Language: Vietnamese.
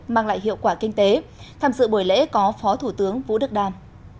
mang lại hiệu quả kinh tế tham dự buổi lễ có phó thủ tướng vũ đức đam